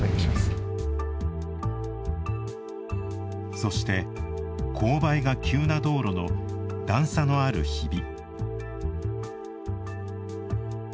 そして勾配が急な道路の段差のあるひび。